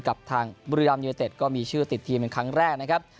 กับทางบุรีรัมยูเนเต็ดก็มีชื่อติดทีมเป็นครั้งแรกนะครับ